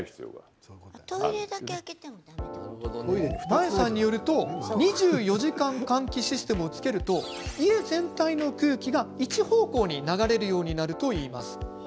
前さんによると２４時間換気システムをつけると家全体の空気が、一方向に流れるようになるといいます。